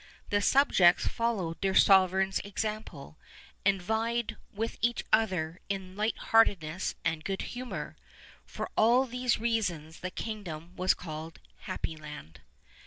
The subjects followed their sovereigns' example, and vied with each other in light heartedness and good humor. For all these reasons the kingdom was called Happy Land.